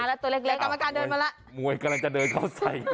แล้วก็มวยกำลังจะเดินเข้าใส่